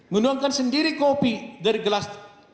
menuangkan sendiri kopi dari gelas